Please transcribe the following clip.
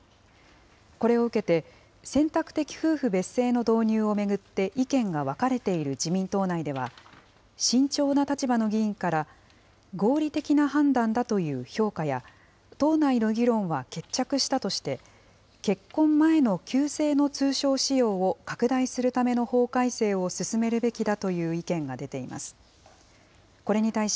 これを受けて、選択的夫婦別姓の導入を巡って意見が分かれている自民党内では、慎重な立場の議員から、合理的な判断だという評価や、党内の議論は決着したとして、結婚前の旧姓の通称使用を拡大するための法改正を進めるべきだという意見が出ています。